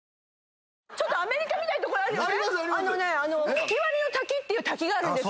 吹割の滝っていう滝があるんです。